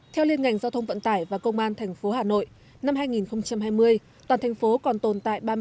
theo liên ngành giao thông vận tải và công an tp hà nội năm hai nghìn hai mươi toàn thành phố còn tồn tại